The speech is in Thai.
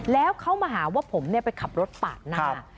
แล้วเขามาหาว่าผมไปขับรถปาดหน้า